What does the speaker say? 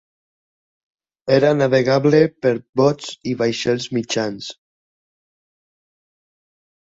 Era navegable per bots i vaixells mitjans.